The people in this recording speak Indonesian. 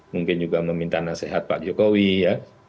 mungkin juga meminta nasihat pak jokowi ya